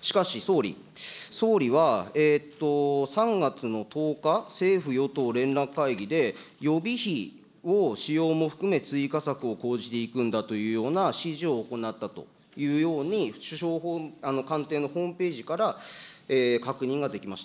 しかし総理、総理は３月の１０日、政府・与党連絡会議で、予備費を使用も含め追加策を講じていくんだというような指示を行ったというように、首相官邸のホームページから確認ができました。